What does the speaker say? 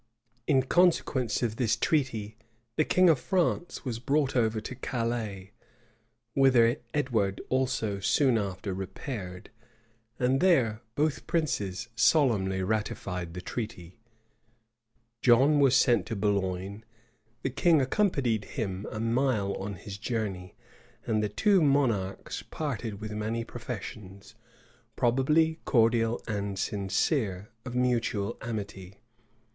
In consequence of this treaty, the king of France was brought over to Calais; whither Edward also soon after repaired; and there both princes solemnly ratified the treaty. John was sent to Boulogne; the king accompanied him a mile on his journey; and the two monarchs parted with many professions, probably cordial and sincere, of mutual amity.